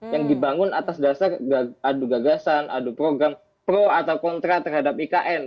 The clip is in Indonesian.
yang dibangun atas dasar adu gagasan adu program pro atau kontra terhadap ikn